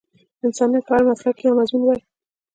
انسانيت په هر مسلک کې یو مضمون وای